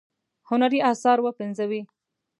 هنري آثار وپنځوي.